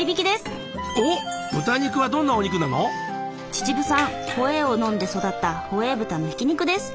秩父産ホエーを飲んで育った「ホエー豚」のひき肉です。